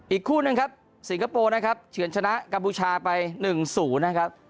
อีกคู่หนึ่งครับสิงคโปร์นะครับเฉือนชนะกัมพูชาไป๑๐นะครับ